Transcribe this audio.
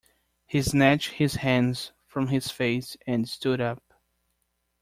He snatched his hands from his face and stood up.